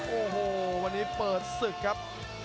โอ้โหวันนี้เปิดศึกครับ